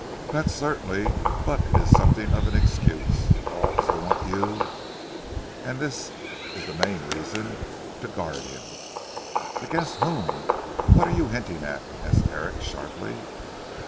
"That certainly, but it is something of an excuse. I also want you and this is the main reason to guard him." "Against whom? What are you hinting at?" asked Herrick sharply.